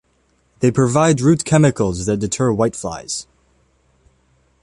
They provide root chemicals that deter whiteflies.